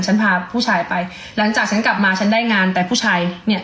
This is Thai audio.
พาผู้ชายไปหลังจากฉันกลับมาฉันได้งานแต่ผู้ชายเนี่ย